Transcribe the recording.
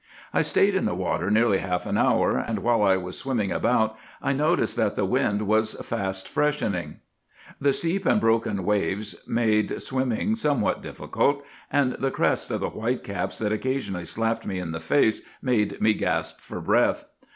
"I stayed in the water nearly half an hour, and while I was swimming about I noticed that the wind was fast freshening. The steep and broken waves made swimming somewhat difficult, and the crests of the whitecaps that occasionally slapped me in the face made me gasp for breath.